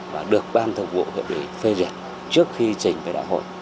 và được ban thực vụ hiệp định phê duyệt trước khi trình về đại hội